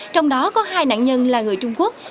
trong đó có hai nạn nhân là người trung quốc